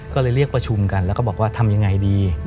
ก็เลยเรียกประชุมกันแล้วก็บอกว่าทำยังไงดี